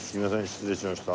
失礼しました。